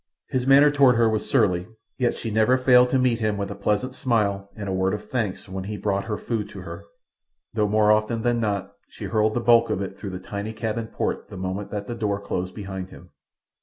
His manner toward her was surly, yet she never failed to meet him with a pleasant smile and a word of thanks when he brought her food to her, though more often than not she hurled the bulk of it through the tiny cabin port the moment that the door closed behind him.